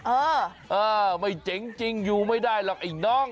เออเออไม่เจ๋งจริงอยู่ไม่ได้หรอกไอ้น้อง